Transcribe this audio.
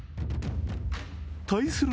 対する